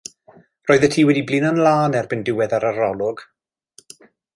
Roeddet ti wedi blino'n lân erbyn diwedd yr arolwg.